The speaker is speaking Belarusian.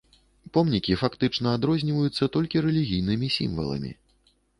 Помнікі фактычна адрозніваюцца толькі рэлігійнымі сімваламі.